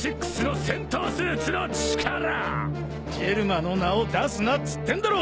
ジェルマの名を出すなっつってんだろ！